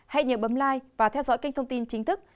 hãy bấm like và theo dõi kênh thông tin chính thức